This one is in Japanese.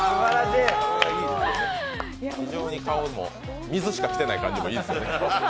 非常に顔も、水しか来てない感じもいいですね。